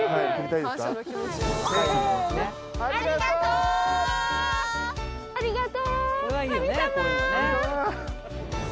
せのありがとう！